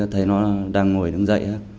thấy nó đang ngồi đứng dậy